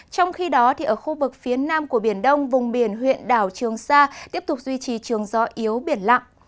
trong khi đó ở khu vực phía nam của biển đông vùng biển huyện đảo trường sa tiếp tục duy trì trường gió yếu biển lặng